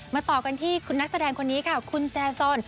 ต่อกันที่คุณนักแสดงคนนี้ค่ะคุณแจซอน